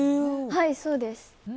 はい、そうです。